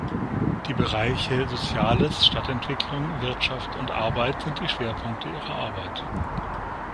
Die Bereiche Soziales, Stadtentwicklung, Wirtschaft und Arbeit sind die Schwerpunkte ihrer Arbeit.